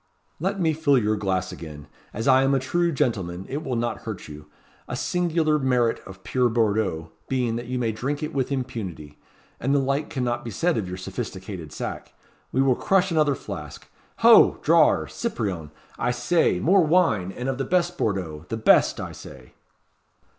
"Let me fill your glass again. As I am a true gentleman, it will not hurt you; a singular merit of pure Bordeaux being that you may drink it with impunity; and the like cannot be said of your sophisticated sack. We will crush another flask. Ho! drawer Cyprien, I say! More wine and of the best Bordeaux. The best, I say."